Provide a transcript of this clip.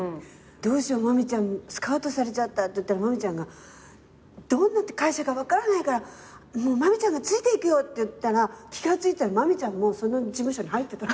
どうしよう真実ちゃんスカウトされちゃったって言ったら真実ちゃんが「どんな会社か分からないから真実ちゃんがついていくよ！」っていったら気が付いたら真実ちゃんもその事務所に入ってた。